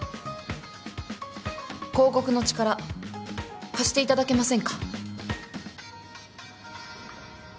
広告の力貸していただけませんか？